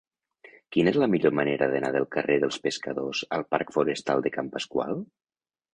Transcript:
Quina és la millor manera d'anar del carrer dels Pescadors al parc Forestal de Can Pasqual?